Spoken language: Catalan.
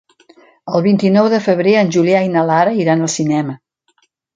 El vint-i-nou de febrer en Julià i na Lara iran al cinema.